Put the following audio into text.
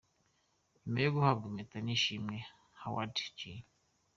Nyuma yo guhabwa Impeta y’Ishimwe, Howard G.